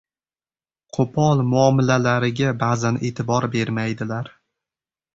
qo‘pol muomalalariga ba’zan e’tibor bermaydilar.